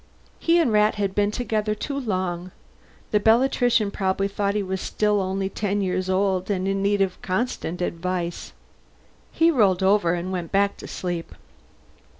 He and Rat had been together too long. The Bellatrician probably thought he was still only ten years old and in need of constant advice. He rolled over and went back to sleep.